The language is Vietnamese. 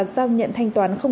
của chính phủ